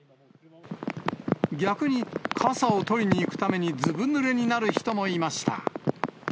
逆に、傘を取りに行くために、ずぶぬれになる人もいました。